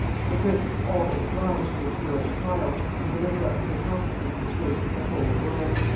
The prince was all but obliged to appear at the trial and deliver up his accomplices in the face of the whole world.